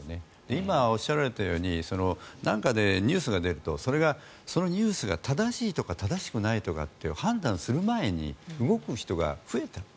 今、おっしゃられたように何かニュースが出るとそのニュースが正しいとか正しくないとか判断する前に動く人が増えている。